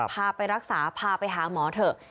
พาไปรักษาพาไปหาหมอเถอะ